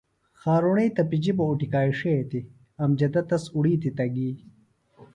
خارُݨئی تپِجیۡ بہ اُٹِکاݜیتیۡ۔ امجدہ تس اُڑیتیۡ تہ گی۔